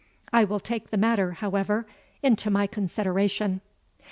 I will take the matter, however, into my consideration."